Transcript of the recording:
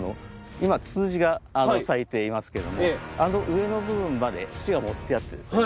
今ツツジが咲いていますけどあの上の部分まで土が盛ってあってですね